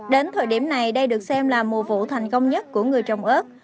đến thời điểm này đây được xem là mùa vụ thành công nhất của người trồng ớt